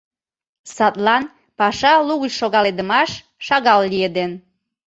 Садлан паша лугыч шогаледымаш шагал лиеден.